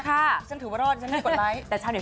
ดิฉันถือว่ารอดดิฉันไม่กดไลค์